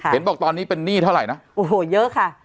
เห็นบอกตอนนี้เป็นหนี้เท่าไหร่นะโอ้โหเยอะค่ะ